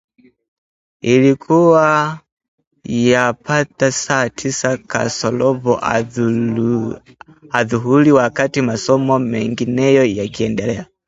Ilikuwa yapata saa tisa kasorobo adhuhuri wakati masomo mennngine yakiendelea